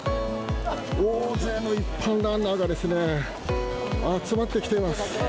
大勢の一般ランナーがですね、集まってきています。